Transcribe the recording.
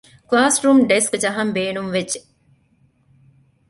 ކްލާސްރޫމް ޑެސްކް ޖަހަން ބޭނުން ވެއްޖެއެވެ.